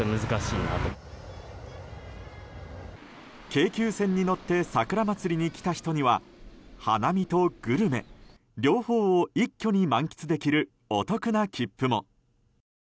京急線に乗って桜まつりに来た人には花見とグルメ、両方を一挙に満喫できるお得な切符も。